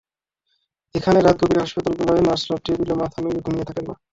এখানে রাত গভীরে হাসপাতালগুলোয় নার্সরা টেবিলে মাথা নুইয়ে ঘুমিয়ে থাকেন না।